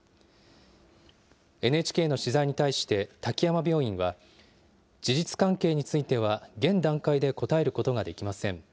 ＮＨＫの取材に対して、滝山病院は、事実関係については現段階で答えることができません。